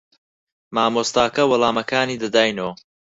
مامۆستاکە وەڵامەکانی دەداینەوە.